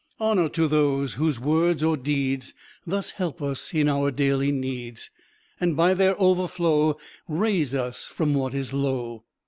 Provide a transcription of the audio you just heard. Honor to those whose words or deeds Thus help us in our daily needs, And by their overflow Raise us from what is low!